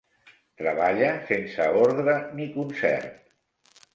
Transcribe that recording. Treballa sense ordre ni concert.